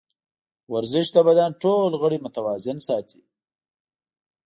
ورزش د بدن ټول غړي متوازن ساتي.